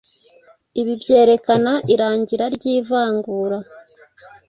Ibi byerekana irangira ry’ivangura